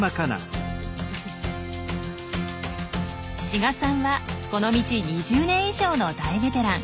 志賀さんはこの道２０年以上の大ベテラン。